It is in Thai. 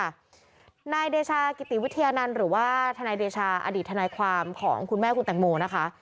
นายเดชากิติวิทยานันต์หรือว่าทนายเดชาอดีตทนายความของคุณแม่คุณแตงโมนะคะ